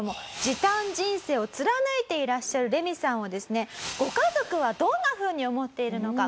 時短人生を貫いていらっしゃるレミさんをですねご家族はどんな風に思っているのか？